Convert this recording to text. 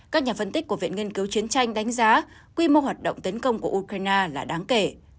các nhà phân tích của viện nghiên cứu chiến tranh đánh giá quy mô hoạt động tấn công của ukraine là đáng kể